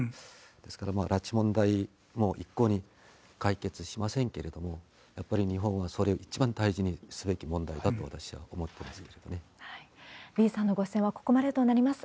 ですから、拉致問題も一向に解決しませんけれども、やっぱり日本は、それ、一番大事にすべき問題だと、李さんのご出演はここまでとなります。